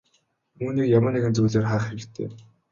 Үүнийг ямар нэгэн зүйлээр хаах хэрэгтэй.